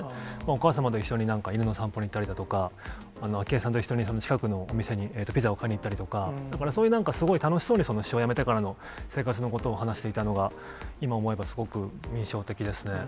お母様と一緒に犬の散歩に行ったりだとか、昭恵さんと一緒に近くのお店にお店にピザを買いに行ったりとか、だから、そういうすごい楽しそうに首相を辞めてからも生活のことを話していたのが、今思えば、すごく印象的ですね。